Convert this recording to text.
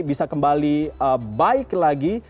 bisa kembali baik lagi